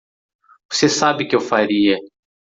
Você sabe que eu faria.